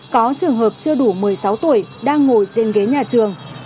có trường hợp chưa đủ một mươi sáu tuổi đang ngồi trên ghế nhà trường